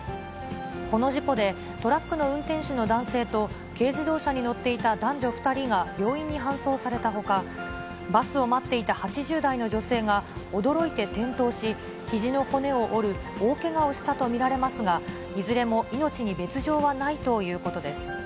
この事故で、トラックの運転手の男性と軽自動車に乗っていた男女２人が病院に搬送されたほか、バスを待っていた８０代の女性が、驚いて転倒し、ひじの骨を折る大けがをしたと見られますが、いずれも命に別状はないということです。